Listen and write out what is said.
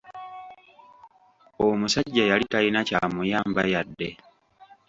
Omusajja yali talina kyamuyamba yadde.